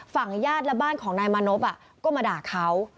ญาติและบ้านของนายมานพก็มาด่าเขา